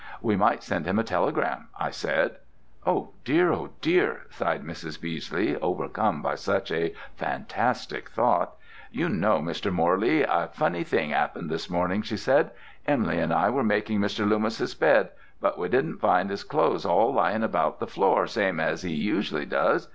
"We might send him a telegram," I said. "Oh, dear, Oh, dear!" sighed Mrs. Beesley, overcome by such a fantastic thought. "You know, Mr. Morley, a funny thing 'appened this morning," she said. "Em'ly and I were making Mr. Loomis's bed. But we didn't find 'is clothes all lyin' about the floor same as 'e usually does.